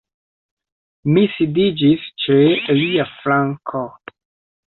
Mi sidiĝis ĉe lia flanko.